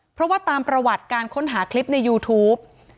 เพราะว่าตามประวัติการค้นหาคลิปในยูทูป